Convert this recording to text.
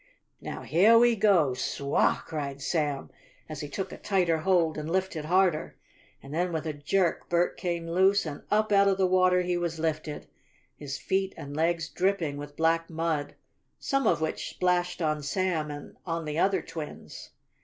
"Now, heah we go, suah!" cried Sam, as he took a tighter hold and lifted harder. And then with a jerk, Bert came loose and up out of the water he was lifted, his feet and legs dripping with black mud, some of which splashed on Sam and on the other twins.